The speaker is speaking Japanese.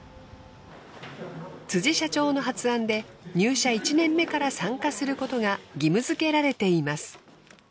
辻社長の発案で入社１年目から参加することが義務付けられています。